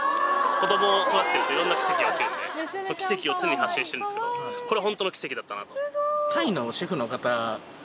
子供を育ててると色んな奇跡が起きるんでその奇跡を常に発信してるんですけどこれホントの奇跡だったなとそうなんですよ